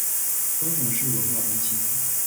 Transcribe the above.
高雄市文化中心